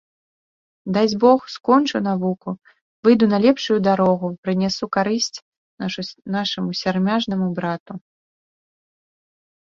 Дасць бог, скончу навуку, выйду на лепшую дарогу, прынясу карысць нашаму сярмяжнаму брату.